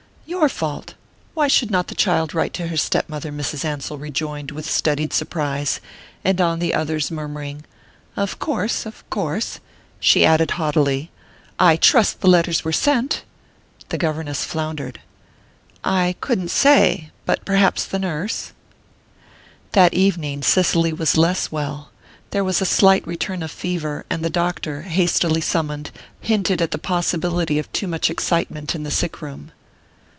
"Your fault? Why should not the child write to her step mother?" Mrs. Ansell rejoined with studied surprise; and on the other's murmuring: "Of course of course " she added haughtily: "I trust the letters were sent?" The governess floundered. "I couldn't say but perhaps the nurse...." That evening Cicely was less well. There was a slight return of fever, and the doctor, hastily summoned, hinted at the possibility of too much excitement in the sick room.